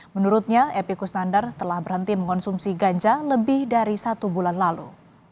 menurutnya epi kusnandar telah berhenti mengonsumsi ganja lebih dari satu bulan lalu